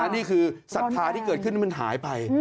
นี่คือศรัทธาที่เกิดขึ้นที่มันหายไป